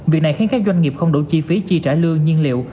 việc này khiến các doanh nghiệp không đủ chi phí chi trả lương nhiên liệu